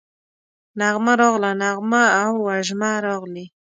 نغمه راغله، نغمه او وژمه راغلې